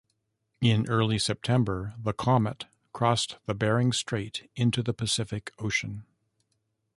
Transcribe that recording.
In early September, the "Komet" crossed the Bering Strait into the Pacific Ocean.